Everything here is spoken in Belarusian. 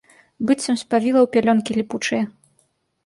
Быццам спавіла ў пялёнкі ліпучыя.